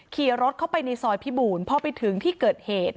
ขี่รถเข้าไปในซอยพิบูรณ์พอไปถึงที่เกิดเหตุ